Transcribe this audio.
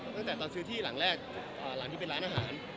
ตั้งแต่ตอนซื้อที่หลังแรกหลังที่เป็นร้านอาหาร